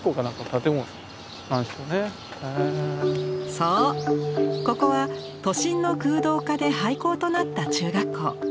そうここは都心の空洞化で廃校となった中学校。